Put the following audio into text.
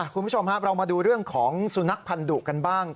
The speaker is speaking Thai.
คุณผู้ชมครับเรามาดูเรื่องของสุนัขพันธุกันบ้าง